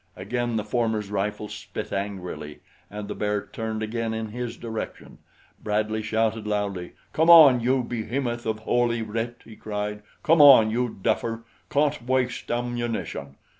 Again the former's rifle spit angrily, and the bear turned again in his direction. Bradley shouted loudly. "Come on, you behemoth of Holy Writ!" he cried. "Come on, you duffer! Can't waste ammunition."